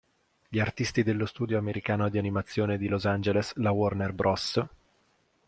Gli artisti dello studio americano di animazione di Los Angeles, la Warner Bros.